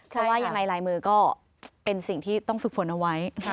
เพราะว่ายังไงลายมือก็เป็นสิ่งที่ต้องฝึกฝนเอาไว้